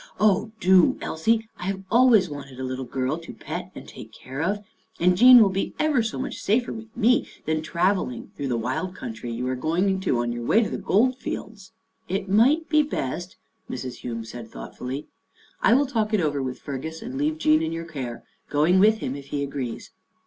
"Oh, do, Elsie! I have always wanted a little girl to pet and take care of and Jean will be ever so much safer with me than travelling through the wild country you are going into on your way to the Gold Fields." 47 48 Our Little Australian Cousin " It might be best," Mrs. Hume said thought fully. " I will talk it over with Fergus and leave Jean in your care, going with him, if he agrees."